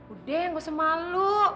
udah gak usah malu